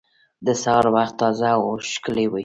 د سهار وخت تازه او ښکلی وي.